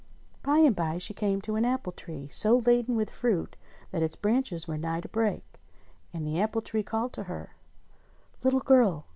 By and bye she came to an apple tree so laden with fruit that its branches were nigh to break, and the apple tree called to her : "Little girl!